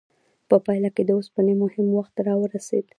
په پایله کې د اوسپنې مهم وخت راورسید.